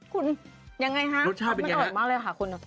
คุณยังไงคะชุดมันอ่อนมากเลยค่ะคุณ